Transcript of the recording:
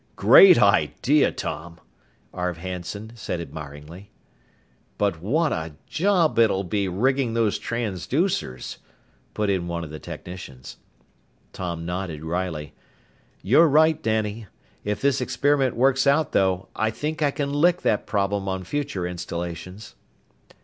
"Great idea, Tom!" Arv Hanson said admiringly. "But what a job it'll be rigging those transducers," put in one of the technicians. Tom nodded wryly. "You're right, Danny. If this experiment works out, though, I think I can lick that problem on future installations."